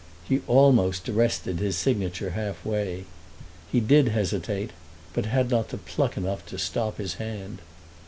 He almost arrested his signature half way. He did hesitate, but had not pluck enough to stop his hand.